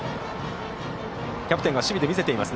キャプテンが守備で見せています。